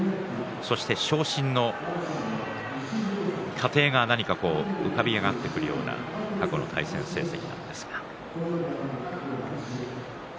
そして昇進の過程が何か浮かび上がってくるような過去の対戦成績なんですが。